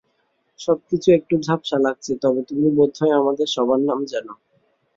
সবকিছু একটু ঝাপসা লাগছে, তবে তুমি বোধহয় আমাদের সবার নাম জানো।